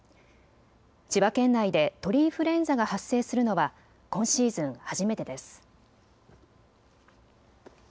千葉県内で鳥インフルエンザが発生するのは今シーズン初めてです。